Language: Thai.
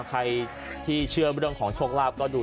ใครที่เชื่อเรื่องของโชคลาภก็ดู